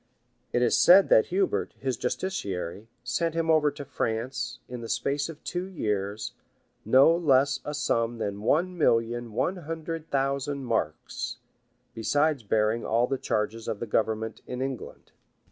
} It is said that Hubert, his justiciary, sent him over to France, in the space of two years, no less a sum than one million one hundred thousand marks, besides bearing all the charges of the government in England.